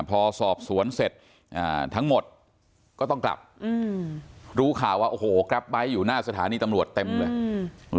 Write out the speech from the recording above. พอสอบสวนเสร็จทั้งหมดก็ต้องกลับอืมรู้ข่าวว่าโอ้โหกราฟไบท์อยู่หน้าสถานีตำรวจเต็มเลยอืม